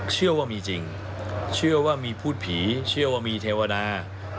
เชื่อว่ามีจริงเชื่อว่ามีพูดผีเชื่อว่ามีเทวดา